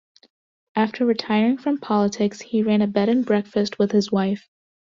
After retiring from politics, he ran a bed and breakfast with his wife.